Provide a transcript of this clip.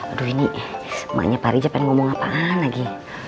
aduh ini emaknya pari aja pengen ngomong apaan lagi